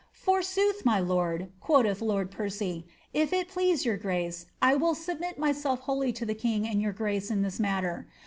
^ Forsooth, my lord" (quoth lord ] it please your grace, 1 will submit myself wholly to the kin( grace in this matter.